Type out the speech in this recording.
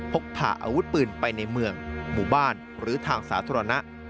พกพาอาวุธปืนไปในเมืองหมู่บ้านหรือทางสาธารณะ